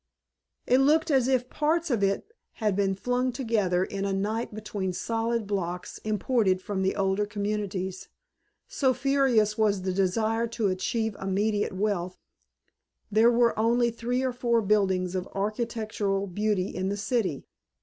It looked as if parts of it had been flung together in a night between solid blocks imported from the older communities; so furious was the desire to achieve immediate wealth there were only three or four buildings of architectural beauty in the city.